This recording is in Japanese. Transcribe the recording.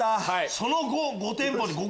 その５店舗で！